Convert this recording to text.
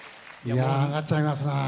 あがっちゃいますね！